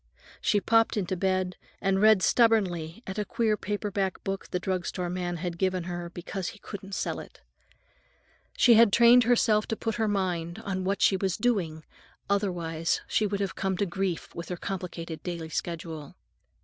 She popped into bed and read stubbornly at a queer paper book the drug store man had given her because he couldn't sell it. She had trained herself to put her mind on what she was doing, otherwise she would have come to grief with her complicated daily schedule.